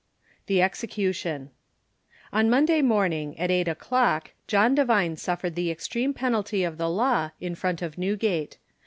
THE EXECUTION. On Monday morning, at Eight o'clock, John Devine suffered the extreme penalty of the law, in front of Newgate.